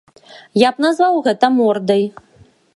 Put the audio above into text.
Я б назваў гэта мордай.